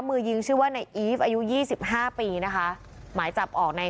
มือยิงชื่อว่าในอีฟอายุยี่สิบห้าปีนะคะหมายจับออกใน